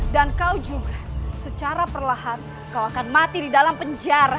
dan kau juga secara perlahan kau akan mati di dalam penjara